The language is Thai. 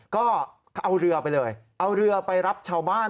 ก็เอาเรือไปเลยเอาเรือไปรับชาวบ้าน